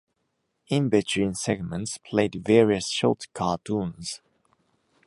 In between segments played various short cartoons.